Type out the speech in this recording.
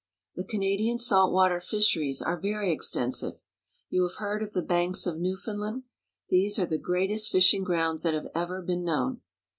The Canadian salt water fisheries are very extensive. You have heard of the banks of Newfoundland. These are the greatest fishing grounds that have ever been known.